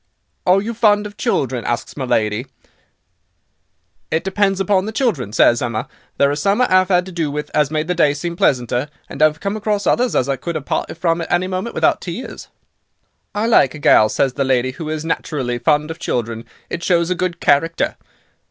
"'Are you fond of children,' asks my lady. "'It depends upon the children,' says Emma; 'there are some I 'ave 'ad to do with as made the day seem pleasanter, and I've come across others as I could 'ave parted from at any moment without tears.' "'I like a gal,' says the lady, 'who is naturally fond of children, it shows a good character.